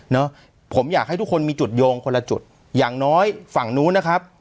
นะผมอยากให้ทุกคนมีจุดโยงคนละจุดอย่างน้อยฝั่งนู้นนะครับ